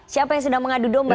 siapa yang sedang mengadu domba